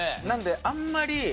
なのであんまり。